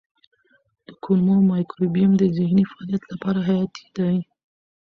د کولمو مایکروبیوم د ذهني فعالیت لپاره حیاتي دی.